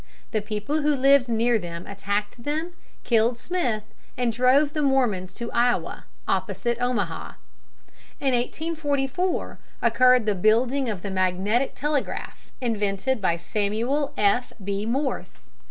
The people who lived near them attacked them, killed Smith, and drove the Mormons to Iowa, opposite Omaha. In 1844 occurred the building of the magnetic telegraph, invented by Samuel F. B. Morse.